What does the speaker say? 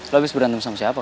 lo abis berantem sama siapa